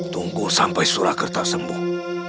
tunggu sampai surakerta sembuh